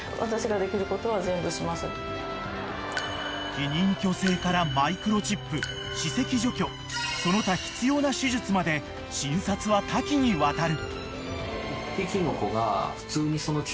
［避妊去勢からマイクロチップ歯石除去その他必要な手術まで診察は多岐にわたる］